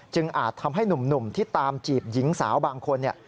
อาจทำให้หนุ่มที่ตามจีบหญิงสาวบางคน